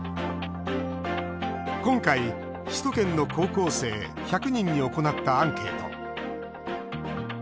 今回、首都圏の高校生１００人に行ったアンケート。